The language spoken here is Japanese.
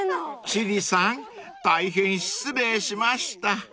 ［千里さん大変失礼しました］